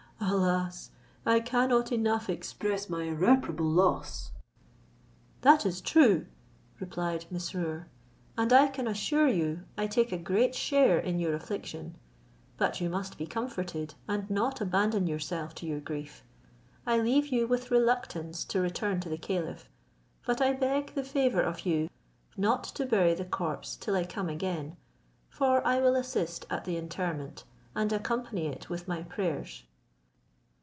Alas! I cannot enough express my irreparable loss!" "That is true," replied Mesrour, "and I can assure you I take a great share in your affliction; but you must be comforted, and not abandon yourself to your grief. I leave you with reluctance, to return to the caliph; but I beg the favour of you not to bury the corpse till I come again; for I will assist at the interment, and accompany it with my prayers."